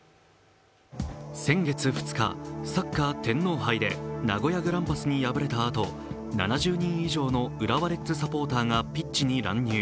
先月２日、サッカー・天皇杯で名古屋グランパスに敗れたあと、７０人以上の浦和レッズサポーターがピッチに乱入。